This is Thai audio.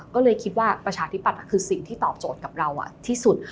ก็เลยคิดว่าประชาธิปัตย์คือสิ่งที่ตอบโจทย์กับเราที่สุด